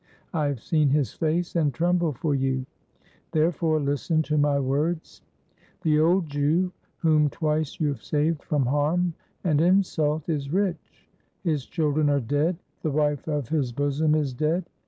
I have seen his face, and tremble for you. Therefore listen to my words. The old Jew, whom twice you have saved from harm and insult, is rich, his children are dead, the wife of his bosom is dead.